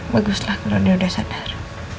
baguslah kalau dia udah sadar